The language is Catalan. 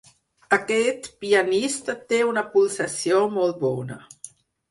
Aquest pianista té una pulsació molt bona.